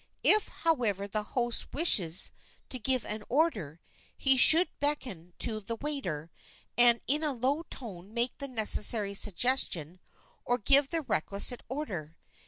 If, however, the host wishes to give an order, he should beckon to a waiter, and in a low tone make the necessary suggestion or give the requisite order.